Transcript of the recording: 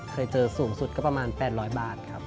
เคยเจอสูงสุดก็ประมาณ๘๐๐บาทครับ